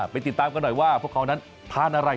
ไปติดตามกันหน่อยว่าพวกเขานั้นทานอะไร